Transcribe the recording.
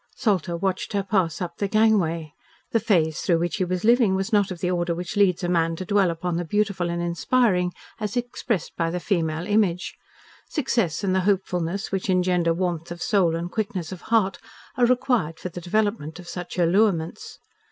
Salter watched her pass up the gangway. The phase through which he was living was not of the order which leads a man to dwell upon the beautiful and inspiriting as expressed by the female image. Success and the hopefulness which engender warmth of soul and quickness of heart are required for the development of such allurements.